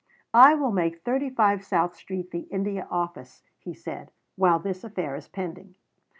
"I will make 35 South Street the India Office," he said, "while this affair is pending."